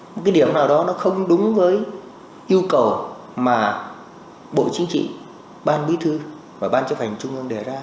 một cái điểm nào đó nó không đúng với yêu cầu mà bộ chính trị ban bí thư và ban chấp hành trung ương đề ra